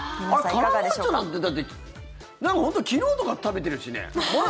カラムーチョなんてだって昨日とか食べてるしね。